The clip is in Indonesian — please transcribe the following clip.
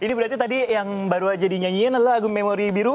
ini berarti tadi yang baru aja dinyanyiin adalah lagu memori biru